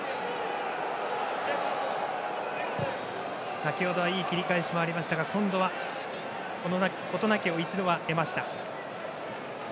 先程はいい切り返しもありましたが今度は事なきを一度は得ました。